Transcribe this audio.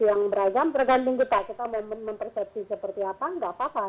kita mempersepsi seperti apa tidak apa apa